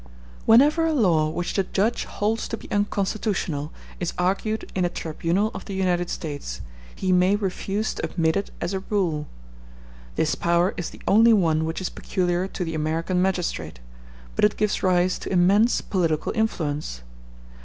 Whenever a law which the judge holds to be unconstitutional is argued in a tribunal of the United States he may refuse to admit it as a rule; this power is the only one which is peculiar to the American magistrate, but it gives rise to immense political influence.